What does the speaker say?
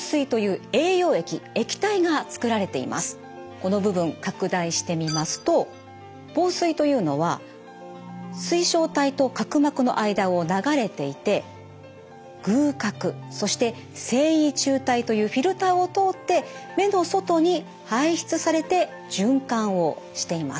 この部分拡大してみますと房水というのは水晶体と角膜の間を流れていて隅角そして線維柱帯というフィルターを通って目の外に排出されて循環をしています。